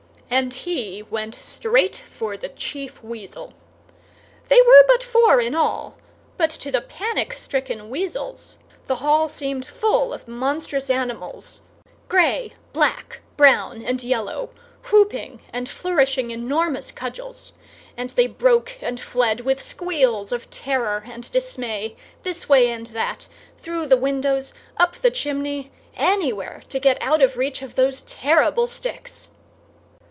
and he went straight for the Chief Weasel. They were but four in all, but to the panic stricken weasels the hall seemed full of monstrous animals, grey, black, brown and yellow, whooping and flourishing enormous cudgels; and they broke and fled with squeals of terror and dismay, this way and that, through the windows, up the chimney, anywhere to get out of reach of those terrible sticks.